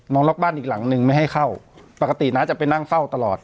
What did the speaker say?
ล็อกบ้านอีกหลังนึงไม่ให้เข้าปกติน้าจะไปนั่งเฝ้าตลอด